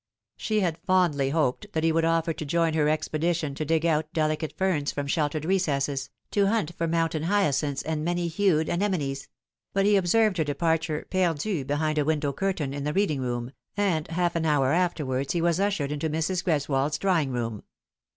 She had fondly hoped that he would offer to join her expedition to dig out delicate ferns from sheltered recesses, to hunt for mountain hyacinths and many hued anemones ; but he ob served her departure perdu behind a window curtain in the reading room, and half an hour afterwards he was ushered into Mrs. Greswold's drawing room.